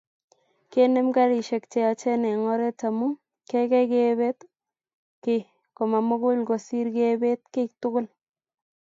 kenem karishek chayachen eng oret amu keygei kebeet kiy komamugul kosiir kebet kiy tugul